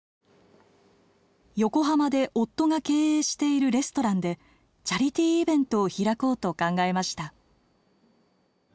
横浜で夫が経営しているレストランでチャリティーイベントを開こうと考えました。